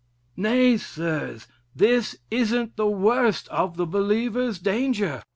Nay, Sirs! this isn't the worst of the believer's danger.